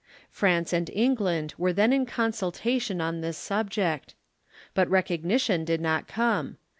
France and England were then in consultation on this subject. But recognition did not come.